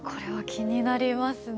気になりますね。